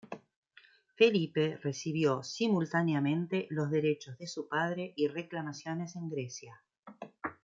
Felipe recibió simultáneamente los derechos de su padre y reclamaciones en Grecia.